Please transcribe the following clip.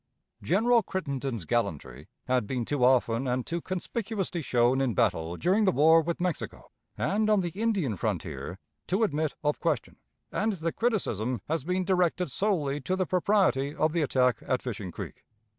General Crittenden's gallantry had been too often and too conspicuously shown in battle during the war with Mexico and on the Indian frontier to admit of question, and the criticism has been directed solely to the propriety of the attack at Fishing Creek.